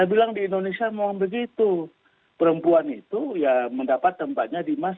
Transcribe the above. bukan angkanya bisa nggak orang di mana yang bisa bekerja modelers